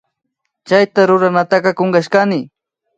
Chayma ruranataka kunkashkani